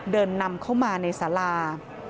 เดินนำเข้ามาในสารา